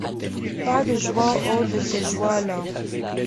Pas de joie hors de ces joies-là.